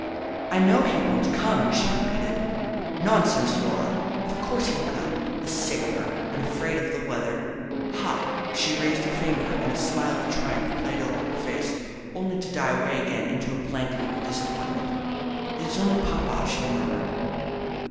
"I know he won't come," she repeated. "Nonsense, Laura! Of course he'll come. A sailor and afraid of the weather!" "Ha!" She raised her finger, and a smile of triumph played over her face, only to die away again into a blank look of disappointment. "It is only papa," she murmured.